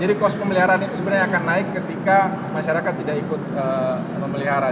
jadi kos pemeliharaan itu sebenarnya akan naik ketika masyarakat tidak ikut memelihara